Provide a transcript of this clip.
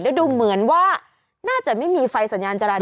แล้วดูเหมือนว่าน่าจะไม่มีไฟสัญญาณจราจร